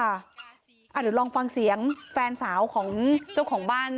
เดี๋ยวลองฟังเสียงแฟนสาวของเจ้าของบ้าน